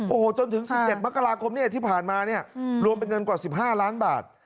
โอ้โหจนถึง๑๗มคมที่ผ่านมารวมเป็นเงินกว่า๑๕ล้านบาท